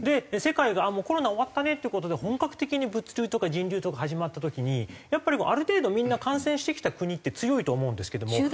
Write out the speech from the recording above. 世界がコロナ終わったねっていう事で本格的に物流とか人流とか始まった時にやっぱりある程度みんな感染してきた国って強いと思うんですけども。